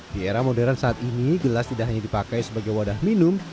di era modern saat ini gelas tidak hanya dipakai sebagai wadah minum